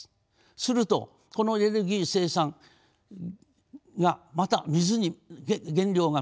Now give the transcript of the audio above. するとこのエネルギー生産がまた水に原料が水に戻るわけです。